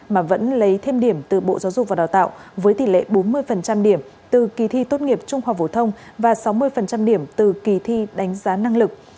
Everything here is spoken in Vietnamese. mà vẫn lấy thêm điểm từ bộ giáo dục và đào tạo với tỷ lệ bốn mươi điểm từ kỳ thi tốt nghiệp trung học phổ thông và sáu mươi điểm từ kỳ thi đánh giá năng lực